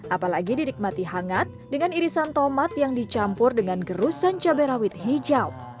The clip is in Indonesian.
apalagi didikmati hangat dengan irisan tomat yang dicampur dengan gerusan cabai rawit hijau